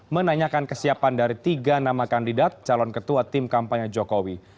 menanyakan kesiapan dari tiga nama kandidat calon ketua tim kampanye jokowi